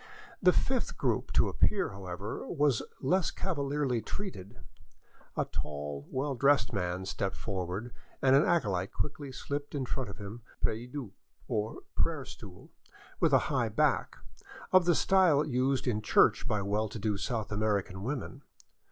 The fifth group to appear, however, was less cavalierly treated. A tall, well dressed man stepped forward, and an acolyte quickly slipped in front of him a prie dieu, or prayer stool with high back, of the style used in church by well to do South American women.